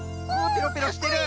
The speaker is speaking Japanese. ペロペロしてる。